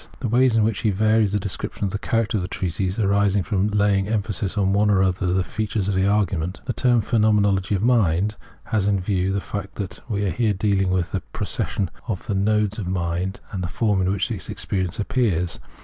The ways in which he varies the description of the character of the treatise, arise from laying emphasis on one or other of the features of the argument. The t(3rm " phenomenology of mind " has in view the fact that we are here deahng with the procession of the modes of mind, and the forms in which its experience appears.